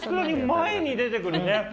前に出て来るね。